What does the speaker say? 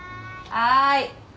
はい。